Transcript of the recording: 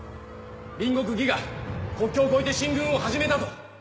隣国魏が国境を越えて進軍を始めたと。